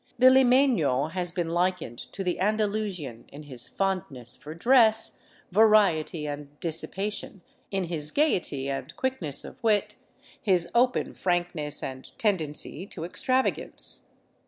The limeiio has been likened to the Andalusian in his fondness for dress, variety, and dissipation, in his gaiety and quickness of wit, his open frankness and tendency to extravagance.